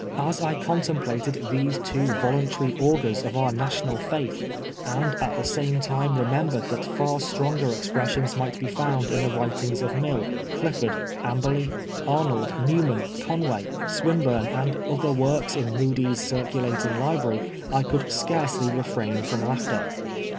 As I contemplated these two voluntary augurs of our national faith, and at the same time remembered that far stronger expressions might be found in the writings of Mill, Clifford, Amberley, Arnold, Newman, Conway, Swinburne, and other works in Mudie's circulating library, I could scarcely refrain from laughter.